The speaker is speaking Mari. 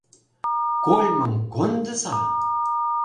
Кольмым кондыза!!